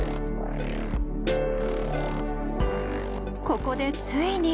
ここでついに。